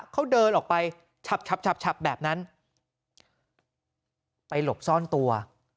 เขาเดินออกไปฉับแบบนั้นไปหลบซ่อนตัว